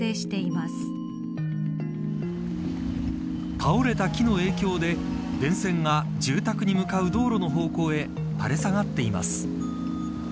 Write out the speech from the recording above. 倒れた木の影響で電線が、住宅に向かう道路の方向へたれ下がっています。